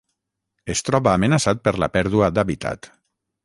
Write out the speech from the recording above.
Es troba amenaçat per la pèrdua d'hàbitat.